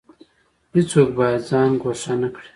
هیڅوک باید ځان ګوښه نکړي